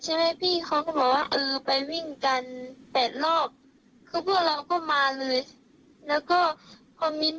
ใช่ไหมพี่เขาก็บอกว่าเออไปวิ่งกัน๘รอบคือพวกเราก็มาเลยแล้วก็พอมิ้น